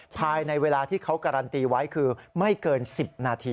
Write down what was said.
ภายในเวลาที่เขาการันตีไว้คือไม่เกิน๑๐นาที